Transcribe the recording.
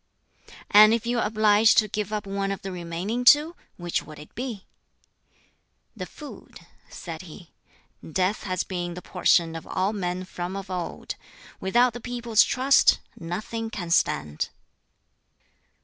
"And if you are obliged to give up one of the remaining two, which would it be?" "The food," said he. "Death has been the portion of all men from of old. Without the people's trust nothing can stand."